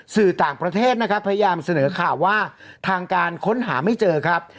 สื่อต่างประเทศนะครับพยายามเสนอข่าวว่าทางการค้นหาไม่เจอครับ